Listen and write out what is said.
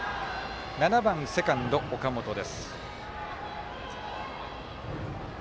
７番セカンド、岡本です。